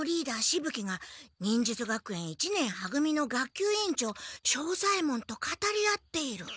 しぶ鬼が忍術学園一年は組の学級委員長庄左ヱ門と語り合っている。